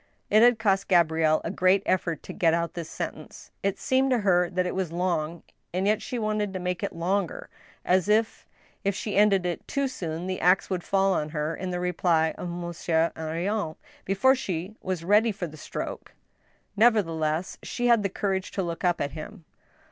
It had cost Gabrielle a great effort to get out this sentence. It seemed to her that it was long, and yet she wanted to make it longer, as if, if she ended it too soon, the axe would fall on her, in the reply of Monsieur Henrion, before she was ready for the stroke Nevertheless, she had the courage to look up at him.